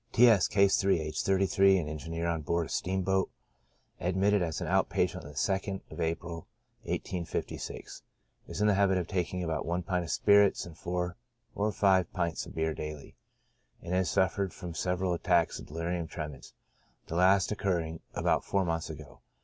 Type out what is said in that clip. T. S —, (Case 3), aged 33, an engineer on board a steam boat, admitted as out patient on the 2nd of April, 1856. TREATMENT. IO5 Is in the habit of taking about one pint of spirits and four or five pints of beer daily, and has suffered from several at tacks of delirium tremens, the last occurring about four months ago.